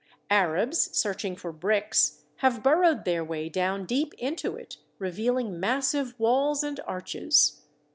Arabs, searching for bricks, have burrowed their way down deep into it, revealing massive walls and arches.